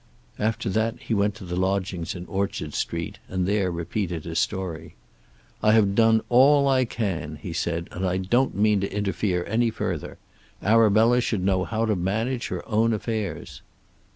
After that he went to the lodgings in Orchard Street, and there repeated his story. "I have done all I can," he said, "and I don't mean to interfere any further. Arabella should know how to manage her own affairs."